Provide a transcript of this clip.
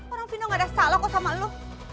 orang pino gak ada salah kok sama lo